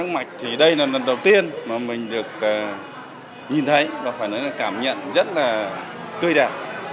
hoa tam giác mạch thì đây là lần đầu tiên mà mình được nhìn thấy và phải nói là cảm nhận rất là tươi đẹp